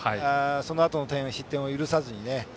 そのあとも失点を許さずにね。